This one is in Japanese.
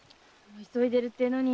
急いでるっていうのに。